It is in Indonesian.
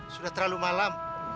sudah terlalu malam